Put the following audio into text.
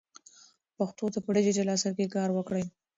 پښتو ته په ډیجیټل عصر کې کار وکړئ.